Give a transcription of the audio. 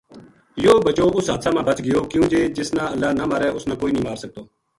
یوہ بچو اس حادثہ ما بَچ گیو کیوں جے جس نا اللہ نہ مارے اس نا کوئی نیہہ مار سکتو